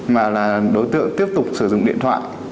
mà là đối tượng tiếp tục sử dụng điện thoại